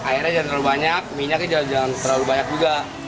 airnya jangan terlalu banyak minyaknya jangan terlalu banyak juga